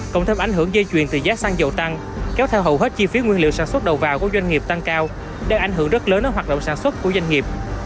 cộng thêm ảnh hưởng dây chuyền từ giá xăng dầu tăng kéo theo hầu hết chi phí nguyên liệu sản xuất đầu vào của doanh nghiệp tăng cao đang ảnh hưởng rất lớn đến hoạt động sản xuất của doanh nghiệp